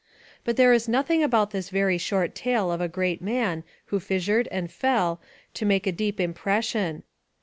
But there is nothing about this very short tale of a great man who fissured and fell to make a deep impression.